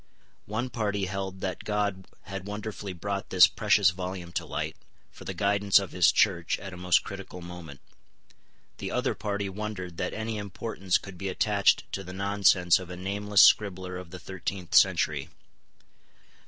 One party held that God had wonderfully brought this precious volume to light, for the guidance of His Church at a most critical moment. The other party wondered that any importance could be attached to the nonsense of a nameless scribbler of the thirteenth century.